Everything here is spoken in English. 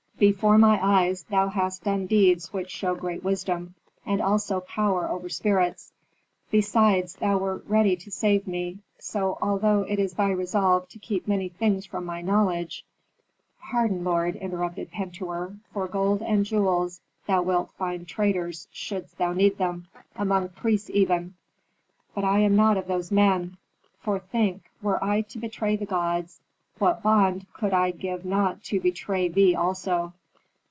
"Before my eyes thou hast done deeds which show great wisdom, and also power over spirits. Besides thou wert ready to save me. So, although it is thy resolve to keep many things from my knowledge " "Pardon, lord," interrupted Pentuer. "For gold and jewels, thou wilt find traitors shouldst thou need them, among priests even. But I am not of those men. For think, were I to betray the gods, what bond could I give not to betray thee also?"